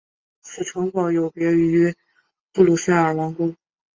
此城堡有别于布鲁塞尔王宫。